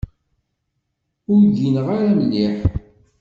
Ur gineɣ ara mliḥ.